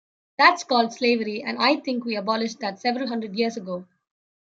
That's called slavery and I think we abolished that several hundred years ago.